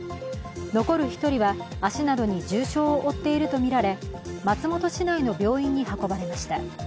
残る１人は足などに重傷を負っているとみられ、松本市内の病院に運ばれました。